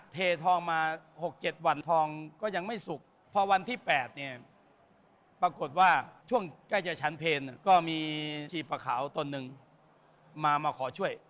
เททองมา๖๗วันทองก็ยังไม่สุกพอวันที่๘เนี่ยปรากฏว่าช่วงใกล้จะชั้นเพลก็มีชีพะขาวตนหนึ่งมามาขอช่วย